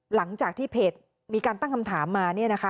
หลังจากที่เพจมีการตั้งคำถามมา